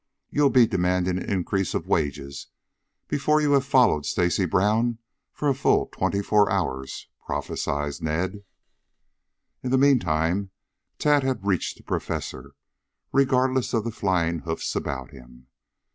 You'll be demanding an increase of wages before you have followed Stacy Brown for a full twenty four hours," prophesied Ned. In the meantime Tad had reached the Professor, regardless of the flying hoofs about him.